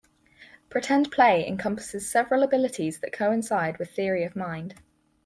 Pretend play encompasses several abilities that coincide with theory of mind.